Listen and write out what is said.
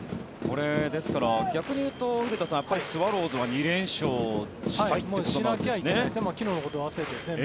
ですから逆に言うと古田さんスワローズは２連勝したいということなんですね。